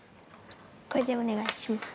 これでお願いします。